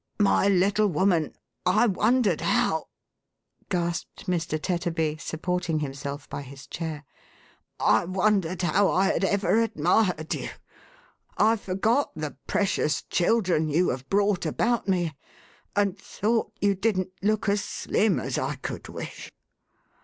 " My little woman, I wondered how," gasped Mr. Tetterby, supporting himself by his chair, " I wondered how I had ever admired you — I forgot the precious children you have brought about me, and thought you didn't look as slim as I could wish.